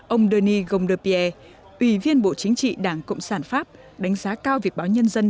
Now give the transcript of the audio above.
ông doni gondepierre ủy viên bộ chính trị đảng cộng sản pháp đánh giá cao việc báo nhân dân